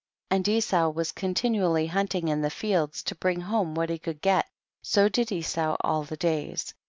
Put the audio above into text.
19. And Esau was continually hunting in the fields to bring home what he could get, so did Esau all the days.